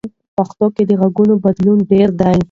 په پښتو کې د غږونو بدلون ډېر دی.